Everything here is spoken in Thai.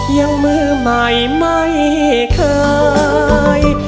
ยังมือใหม่ไม่เคย